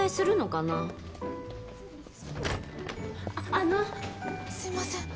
あのすいません